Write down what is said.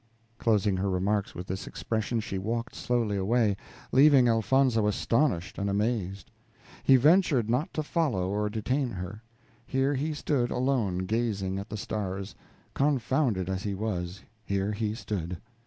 Closing her remarks with this expression, she walked slowly away, leaving Elfonzo astonished and amazed. He ventured not to follow or detain her. Here he stood alone, gazing at the stars; confounded as he was, here he stood.